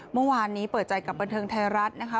เมื่อวานนี้เปิดใจกับบันเทิงไทยรัฐนะคะ